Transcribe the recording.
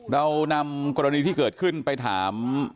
เรานำกรณีที่เกิดขึ้นไปถาม